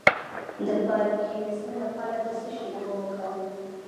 د پارکینسن لپاره د څه شي اوبه وکاروم؟